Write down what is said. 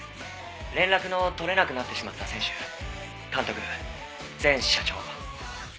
連絡の取れなくなってしまった選手監督前社長。